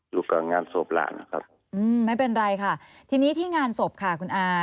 อยู่กับงานศพหลานนะครับอืมไม่เป็นไรค่ะทีนี้ที่งานศพค่ะคุณอา